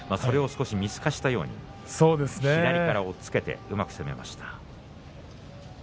それを少し見透かしたように左から押っつけてうまく攻めました。